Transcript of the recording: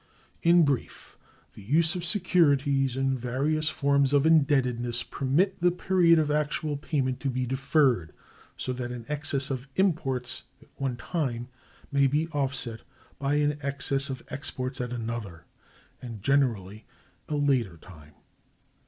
(280) In brief, the use of securities and various forms of indebtedness permits the period of actual payment to be deferred, so that an excess of imports at one time may be offset by an excess of exports at another, and generally a later, time.